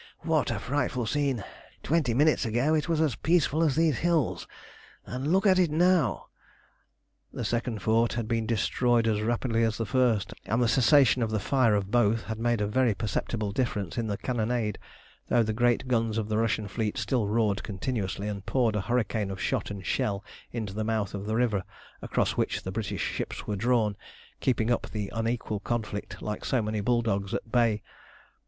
What a frightful scene! Twenty minutes ago it was as peaceful as these hills, and look at it now." The second fort had been destroyed as rapidly as the first, and the cessation of the fire of both had made a very perceptible difference in the cannonade, though the great guns of the Russian fleet still roared continuously and poured a hurricane of shot and shell into the mouth of the river across which the British ships were drawn, keeping up the unequal conflict like so many bull dogs at bay.